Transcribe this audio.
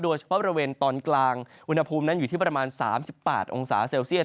โดยเฉพาะบริเวณตอนกลางอุณหภูมินั้นอยู่ที่ประมาณ๓๘องศาเซลเซียต